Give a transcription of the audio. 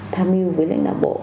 tham yêu với lãnh đạo bộ